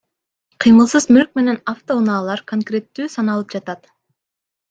Кыймылсыз мүлк менен автоунаалар конкреттүү саналып жатат.